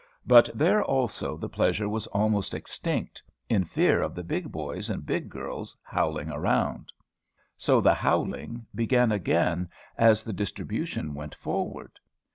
But there, also, the pleasure was almost extinct, in fear of the big boys and big girls howling around. So the howling began again, as the distribution went forward.